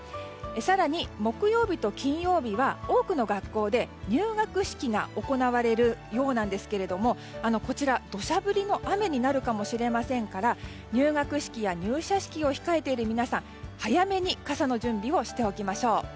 更に、木曜日と金曜日は多くの学校で入学式が行われるようなんですけどもこちら、土砂降りの雨になるかもしれませんから入学式や入社式を控えている皆さん早めに傘の準備をしておきましょう。